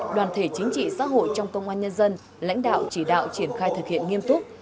đoàn thể chính trị xã hội trong công an nhân dân lãnh đạo chỉ đạo triển khai thực hiện nghiêm túc